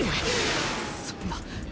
そんな。